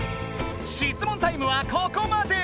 質問タイムはここまで！